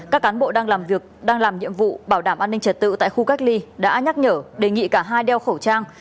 các cán bộ đang làm nhiệm vụ bảo đảm an ninh trật tự tại khu cách ly đã nhắc nhở đề nghị cả hai đeo khẩu trang